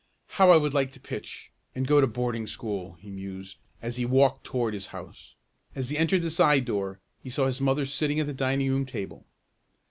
"How I would like to pitch and go to boarding school!" he mused as he walked toward his house. As he entered the side door he saw his mother sitting at the dining room table.